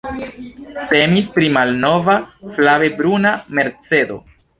Temis pri malnova flave bruna Mercedo.